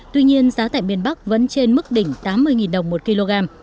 tuy nhiên giá tại miền bắc vẫn trên mức đỉnh tám mươi đồng một kg